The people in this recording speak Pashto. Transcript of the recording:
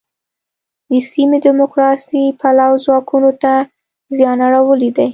د سیمې دیموکراسي پلوو ځواکونو ته زیان اړولی دی.